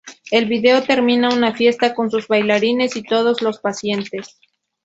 El video termina una fiesta con sus bailarines y todos los pacientes.